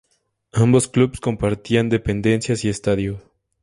Ambos clubs compartían dependencias y estadio.